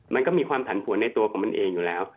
มันก็มีความผันผวนในตัวของมันเองอยู่แล้ว